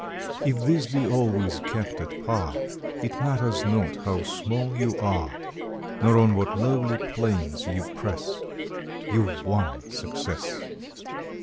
If these be always kept at par, It matters not how small you are, Nor on what lowly planes you press YOU VE WON SUCCESS!